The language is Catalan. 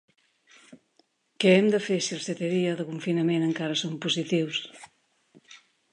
Què hem de fer si el setè dia de confinament encara som positius?